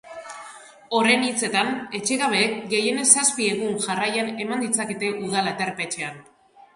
Horren hitzetan, etxegabeek gehienez zazpi egun jarraian eman ditzakete udal aterpetxean.